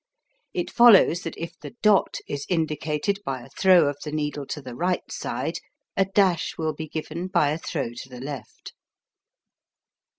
It follows that if the "dot" is indicated by a throw of the needle to the right side, a "dash" will be given by a throw to the left.